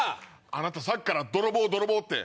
あなたさっきから泥棒泥棒って。